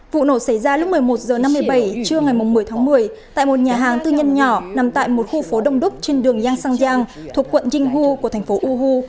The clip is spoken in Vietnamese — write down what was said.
vụ nổ xảy ra lúc một mươi một h năm mươi bảy trưa ngày một mươi tháng một mươi tại một nhà hàng tư nhân nhỏ nằm tại một khu phố đông đúc trên đường yangshanjiang thuộc quận jinghu của thành phố uhu